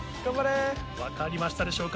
分かりましたでしょうか？